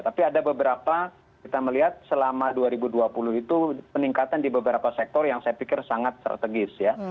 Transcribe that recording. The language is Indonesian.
tapi ada beberapa kita melihat selama dua ribu dua puluh itu peningkatan di beberapa sektor yang saya pikir sangat strategis ya